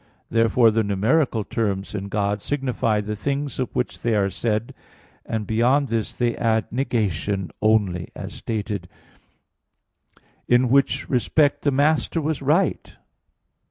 Therefore the numeral terms in God signify the things of which they are said, and beyond this they add negation only, as stated (Sent. i, D, 24); in which respect the Master was right (Sent.